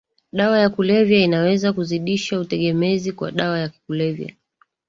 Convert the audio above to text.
dawa ya kulevya na inaweza kuzidisha utegemezi kwa dawa ya kulevya